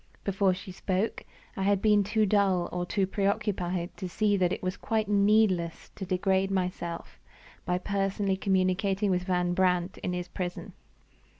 Before she spoke, I had been too dull or too preoccupied to see that it was quite needless to degrade myself by personally communicating with Van Brandt in his prison.